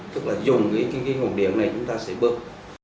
tức là dùng cái nguồn điện này chúng ta sẽ bước